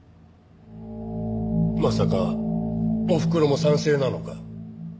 まさかおふくろも賛成なのか？